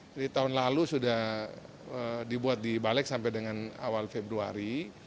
jadi tahun lalu sudah dibuat di balek sampai dengan awal februari